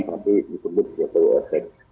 seperti disebut jokowi efek